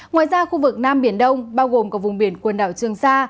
ngoài ra khu vực nam biển đông bao gồm có vùng biển quần đảo trường sa